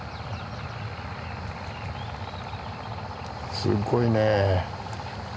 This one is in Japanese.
すっごいね。